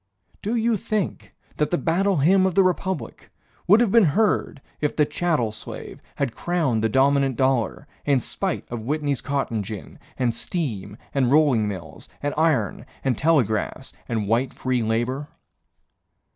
Do you think that the Battle Hymn of the Republic Would have been heard if the chattel slave Had crowned the dominant dollar, In spite of Whitney's cotton gin, And steam and rolling mills and iron And telegraphs and white free labor?